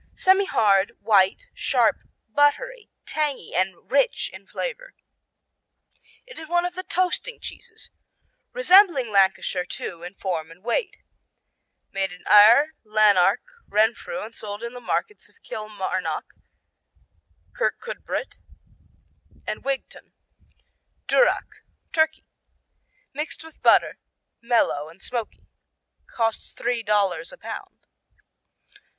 Semihard; white; sharp; buttery; tangy and rich in flavor. It is one of the "toasting cheeses" resembling Lancashire, too, in form and weight. Made in Ayr, Lanark and Renfrew and sold in the markets of Kilmarnock, Kirkcudbright and Wigtown. Durak Turkey Mixed with butter; mellow and smoky. Costs three dollars a pound.